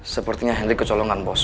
sepertinya henry kecolongan bos